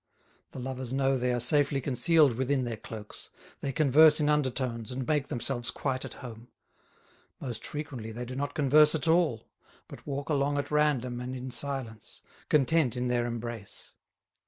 The lovers know they are safely concealed within their cloaks, they converse in undertones and make themselves quite at home; most frequently they do not converse at all, but walk along at random and in silence, content in their embrace.